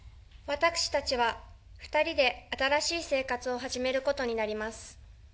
私たちは、２人で新しい生活を始めることになります。